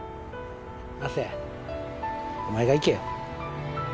亜生お前が行けよ。